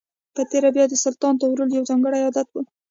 په تېره بیا د سلطان طغرل یو ځانګړی عادت و.